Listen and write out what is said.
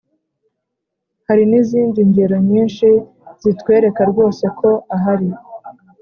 hari n’izindi ngero nyinshi zitwereka rwose ko ahari